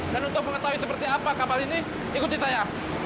dan untuk mengetahui seperti apa kapal ini ikuti saya